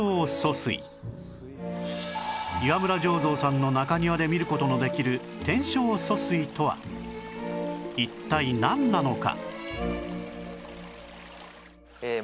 岩村醸造さんの中庭で見る事のできる天正疎水とは一体なんなのか？